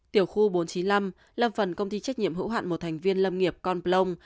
tiểu khu bốn trăm chín mươi năm lâm phần công ty trách nhiệm hữu hạn một thành viên lâm nghiệp con plong